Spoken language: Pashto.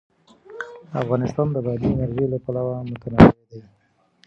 افغانستان د بادي انرژي له پلوه متنوع دی.